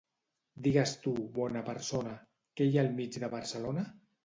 Digues tu, bona persona, què hi ha al mig de Barcelona?